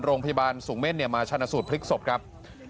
โรงพยาบาลสูงเม่นมาชนะสูตรพลิกศพครับ